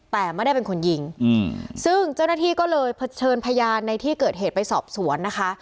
แต่ไม่ได้เป็นคนยิงซึ่งเจ้าหน้าที่ก็เลยเชิญพยานในที่เกิดเหตุไปสอบสวนนะคะ